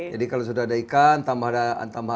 jadi kalau sudah ada ikan tambah